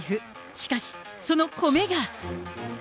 しかし、その米が。